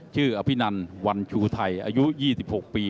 อภินันวันชูไทยอายุ๒๖ปี